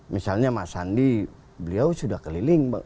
misalnya mas sandi beliau sudah keliling